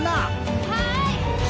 はい！